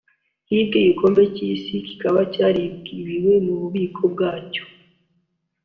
hibwe igikombe cy’isi kikaba cyaribiwe mu bubiko bwacyo